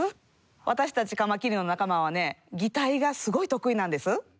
私たちカマキリの仲間はね擬態がすごい得意なんです。